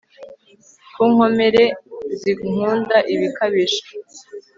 ku nkomere zinkunda ibikabije